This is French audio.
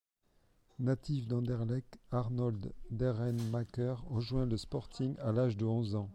Natif d'Anderlecht, Arnold Deraeymaeker rejoint le Sporting à l'âge de onze ans.